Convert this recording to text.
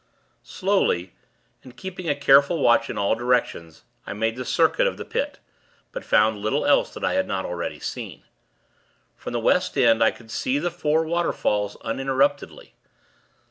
Slowly, and keeping a careful watch in all directions, I made the circuit of the Pit; but found little else, that I had not already seen. From the West end, I could see the four waterfalls, uninterruptedly.